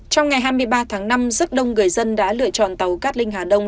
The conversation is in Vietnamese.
trong ngày hai mươi ba tháng năm rất đông người dân đã lựa chọn tàu cát linh hà đông